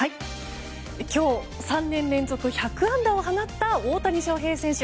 今日３年連続１００安打を放った大谷翔平選手。